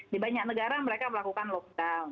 di banyak negara mereka melakukan lockdown